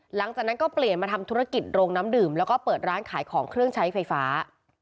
หลังจากนั้นก็เปลี่ยนมาทำธุรกิจโรงน้ำดื่มแล้วก็เปิดร้านขายของเครื่องใช้ไฟฟ้า